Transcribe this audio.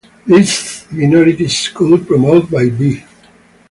This minority school, promoted by B.